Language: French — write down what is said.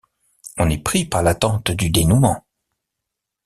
On est pris par l’attente du dénouement.